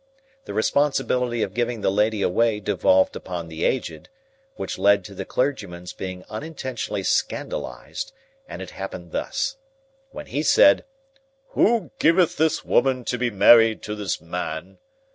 The responsibility of giving the lady away devolved upon the Aged, which led to the clergyman's being unintentionally scandalised, and it happened thus. When he said, "Who giveth this woman to be married to this man?"